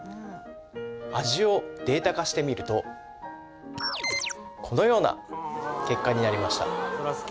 味をデータ化してみるとこのような結果になりました